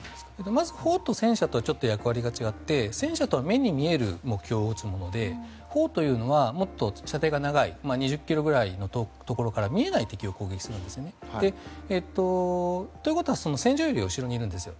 まず砲と戦車とちょっと役割が違って戦車は目に見える敵を撃つもので砲というのはもっと射程が長い２０ｋｍぐらいのところから見えない敵を攻撃するんですね。ということは戦場よりも後ろにいるんですよ。